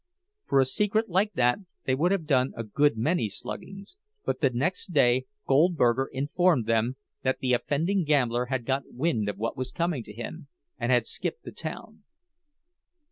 For a secret like that they would have done a good many sluggings—but the next day Goldberger informed them that the offending gambler had got wind of what was coming to him, and had skipped the town.